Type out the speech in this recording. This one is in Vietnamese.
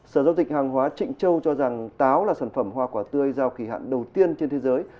sở giao dịch hàng hóa trịnh châu cho rằng táo là sản phẩm hoa quả tươi giao kỳ hạn đầu tiên trên thế giới